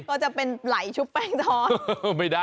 ก็จะเป็นไหลชุบแป้งทอด